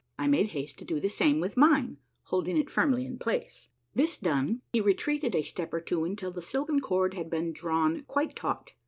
I made haste to do the same with mine, holding it firmly in place. This done, he retreated a step or two until the silken cord had been drawn quite taut.